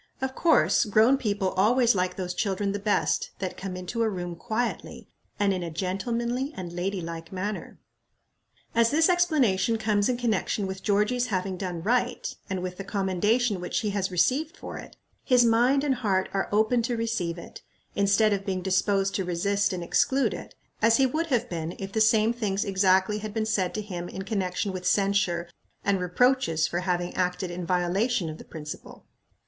Of course, grown people always like those children the best that come into a room quietly, and in a gentlemanly and lady like manner." As this explanation comes in connection with Georgia's having done right, and with the commendation which he has received for it, his mind and heart are open to receive it, instead of being disposed to resist and exclude it, as he would have been if the same things exactly had been said to him in connection with censure and reproaches for having acted in violation of the principle.